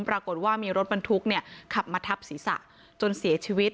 ปรากฏว่ามีรถบรรทุกเนี่ยขับมาทับศีรษะจนเสียชีวิต